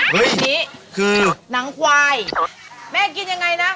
เฮ้ยคือนางควายแม่กินอย่างไรนะ